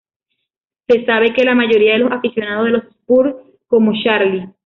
Se sabe que la mayoría de los aficionados de los Spurs como 'Charlie'.